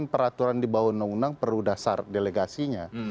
peraturan di bawah undang undang perlu dasar delegasinya